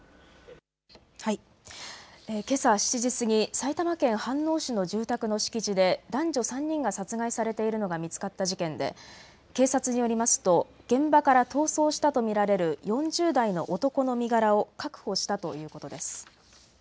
けさ７時過ぎ埼玉県飯能市の住宅の敷地で男女３人が殺害されているのが見つかった事件で警察によりますと現場から逃走したとみられる４０代の男の身柄を確保したということです。